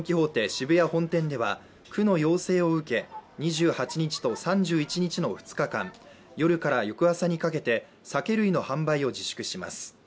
渋谷本店では区の要請を受け、２８日と３１日の２日間、夜から翌朝にかけて酒類の販売を自粛します。